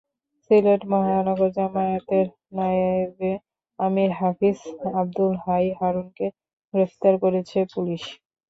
সিলেট মহানগর জামায়াতের নায়েবে আমির হাফিজ আবদুল হাই হারুনকে গ্রেপ্তার করেছে পুলিশ।